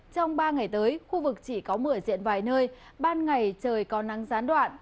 trong ba ngày tới khu vực chỉ có mưa diện vài nơi ban ngày trời có nắng gián đoạn